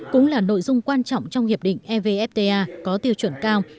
cũng là nội dung quan trọng trong hiệp định evfta có tiêu chuẩn cao